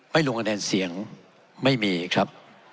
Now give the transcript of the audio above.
ลงคะแนนเสียงไม่มีครับ